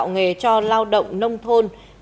hợp đồng đào tạo nghề cho lao động nông thôn